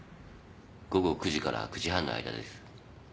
午後９時から９時半の間です。